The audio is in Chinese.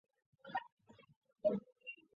县治曼宁。